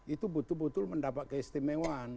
itu betul betul mendapat keistimewaan